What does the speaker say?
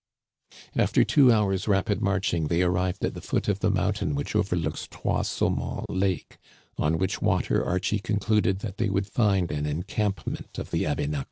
After two hours' rapid marching they arrived at the foot of the mountain which overlooks Trois Saumons Lake, on which water Archie concluded that they would find an encampment of the Abénaquis.